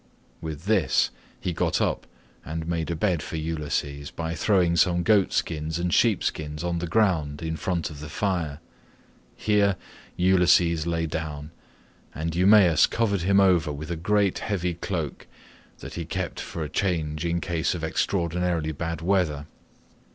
With this he got up and made a bed for Ulysses by throwing some goatskins and sheepskins on the ground in front of the fire. Here Ulysses lay down, and Eumaeus covered him over with a great heavy cloak that he kept for a change in case of extraordinarily bad weather.